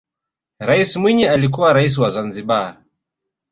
rais mwinyi alikuwa raisi wa zanzibar